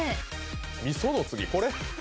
みその次これ？